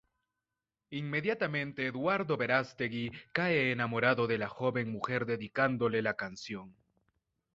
Inmediatamente Eduardo Verástegui cae enamorado de la joven mujer dedicándole la canción.